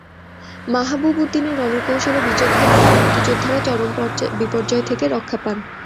মাহবুব উদ্দিনের রণকৌশল ও বিচক্ষণতায় মুক্তিযোদ্ধারা চরম বিপর্যয় থেকে রক্ষা পান।